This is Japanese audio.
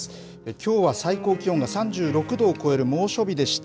きょうは最高気温が３６度を超える猛暑日でした。